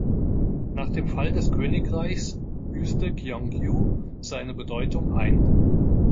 Nach dem Fall des Königreichs büßte Gyeongju seine Bedeutung ein.